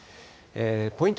ポイント